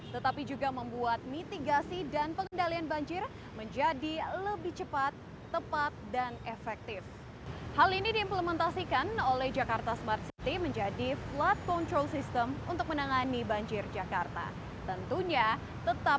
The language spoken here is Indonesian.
yang berbasis tik yang berbasis tik yang berbasis tik yang berbasis tik